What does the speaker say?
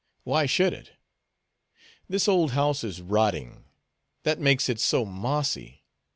Why should it? This old house is rotting. That makes it so mossy.